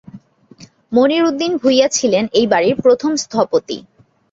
মনির উদ্দিন ভূঁইয়া ছিলেন এই বাড়ির প্রথম স্থপতি।